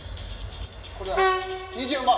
これだ２４番！